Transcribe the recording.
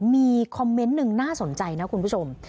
มีคอมเมนต์หนึ่งน่าสนใจนะคุณผู้ชม